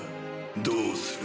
どうする？